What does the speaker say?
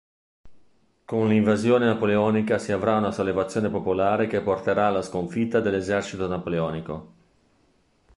Con l'invasione Napoleonica si avrà una sollevazione popolare che porterà alla sconfitta dell'esercito napoleonico.